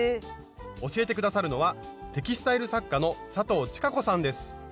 教えて下さるのはテキスタイル作家の佐藤千香子さんです。